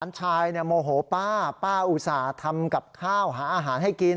ชายโมโหป้าป้าอุตส่าห์ทำกับข้าวหาอาหารให้กิน